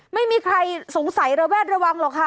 ไม่มีใครสงสัยระแวดระวังหรอกค่ะ